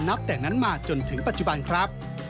แต่นั้นมาจนถึงปัจจุบันครับ